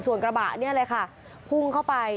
ส่วนกระบะอะไรคะพุงเข้าไป